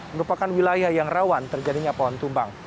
merupakan wilayah yang rawan terjadinya pohon tumbang